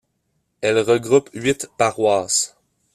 Elle regroupe huit paroisses.